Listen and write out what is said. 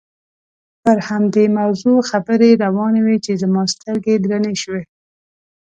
پر همدې موضوع خبرې روانې وې چې زما سترګې درنې شوې.